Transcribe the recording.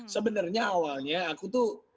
sebenarnya awalnya aku tuh